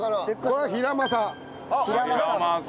これはヒラマサ。